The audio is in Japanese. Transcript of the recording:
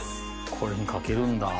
これにかけるんだ。